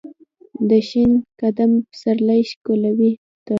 دشین قدمه پسرلی ښکالو ته ،